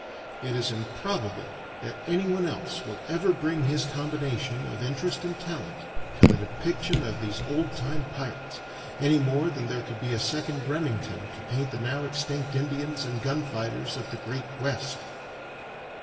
It is improbable that anyone else will ever bring his combination of interest and talent to the depiction of these old time Pirates, any more than there could be a second Remington to paint the now extinct Indians and gun fighters of the Great West.